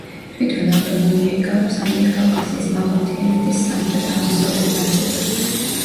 თვითონ ავტონომია იკავებს ამიერკავკასიის მაღალმთიანეთის სამხრეთ-აღმოსავლეთ ნაწილს.